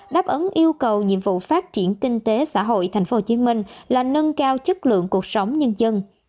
đáp ứng yêu cầu nhiệm vụ phát triển kinh tế xã hội tp hcm là nâng cao chất lượng cuộc sống nhân dân